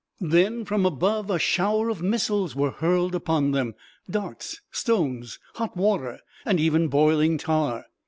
Then from above a shower of missiles were hurled upon them darts, stones, hot water, and even boiling tar.